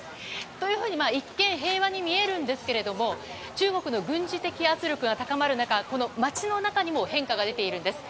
というふうに一見平和に見えるんですが中国の軍事的圧力が高まる中この街の中にも変化が出ているんです。